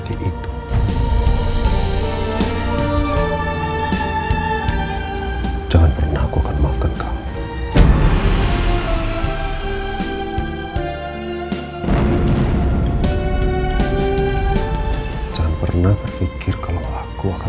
karena kamu udah kemudian